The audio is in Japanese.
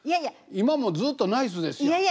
今もずっとナイスでっしゃろ。